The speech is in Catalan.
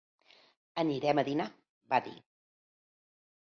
"Anirem a dinar" va dir.